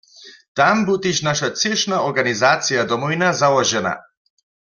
Tam bu tež naša třěšna organizacija Domowina załožena.